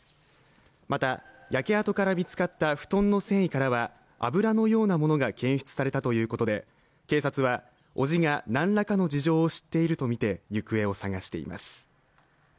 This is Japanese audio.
また、焼け跡から見つかった布団の繊維からは油のようなものが検出されたということで、警察はおじが何らかの事情を知っているとみて、行方を捜しています。